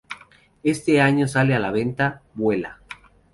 Ese año sale a la venta "Vuela".